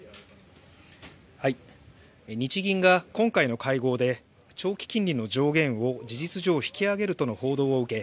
日銀が今回の会合で長期金利の上限を事実上引き上げるとの報道を受け